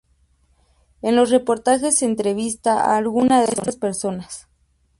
En los reportajes se entrevista a alguna de estas personas.